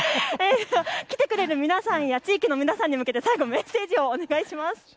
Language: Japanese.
来てくれる皆さんや地域の皆さんに向けて、最後にメッセージをお願いします。